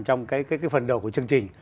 trong cái phần đầu của chương trình